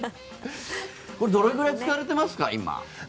どれくらい使われていますか？